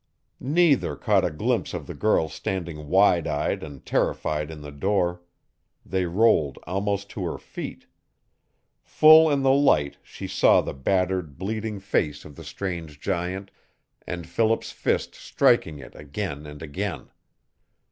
Neither caught a glimpse of the girl standing wide eyed and terrified in the door. They rolled almost to her feet. Full in the light she saw the battered, bleeding face of the strange giant, and Philip's fist striking it again and again.